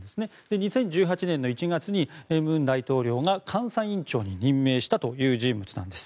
２０１８年の１月に文大統領が監査院長に任命したという人物です。